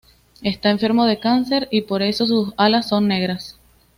Está enfermo de cáncer y por eso sus alas son negras.